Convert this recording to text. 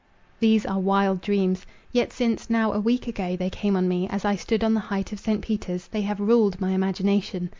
These are wild dreams. Yet since, now a week ago, they came on me, as I stood on the height of St. Peter's, they have ruled my imagination.